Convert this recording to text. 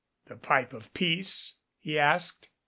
"The pipe of peace?" he asked.